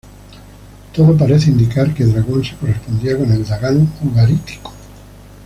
Todo parece indicar que Dagón se correspondía con el Dagan ugarítico.